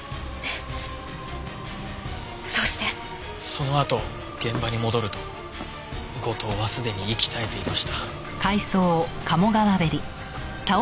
そのあと現場に戻ると後藤はすでに息絶えていました。